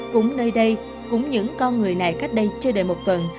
cũng nơi đây cũng những con người này cách đây chưa đợi một tuần